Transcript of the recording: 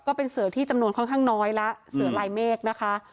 ก็เป็นเสือที่จำนวนค่อนข้างน้อยแล้วเสือลายเมฆนะคะ